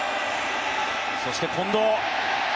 そして近藤。